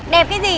đẹp cái gì